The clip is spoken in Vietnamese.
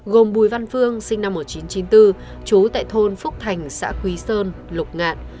gồm bùi văn phương sinh năm một nghìn chín trăm chín mươi bốn chú tại thôn phúc thành xã quý sơn lục ngạn